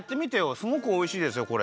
すごくおいしいですよこれ。